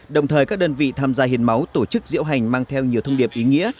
đồng thời các đơn vị tham gia hiến máu tổ chức diễu hành mang theo nhiều thông điệp ý nghĩa